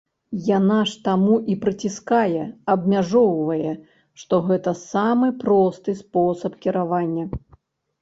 Яна ж таму і прыціскае, абмяжоўвае, бо гэта самы просты спосаб кіравання.